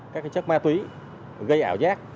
các chất ma túy gây ảo giác